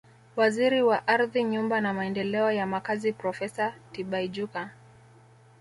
Waziri wa Ardhi Nyumba na Maendeleo ya Makazi Profesa Tibaijuka